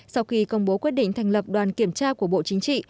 sau khi công bố quyết định thành lập đoàn kiểm tra của bộ chính trị